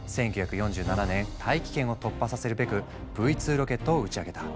１９４７年大気圏を突破させるべくＶ２ロケットを打ち上げた。